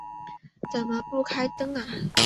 怎么不开灯啊